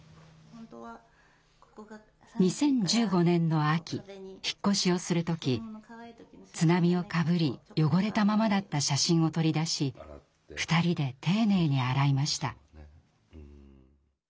２０１５年の秋引っ越しをする時津波をかぶり汚れたままだった写真を取り出し２人で丁寧に洗いました。